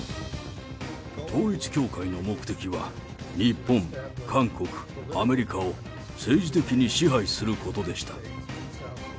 統一教会の目的は、日本、韓国、アメリカを、政治的に支配することでした。